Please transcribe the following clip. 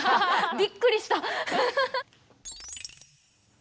びっくりした。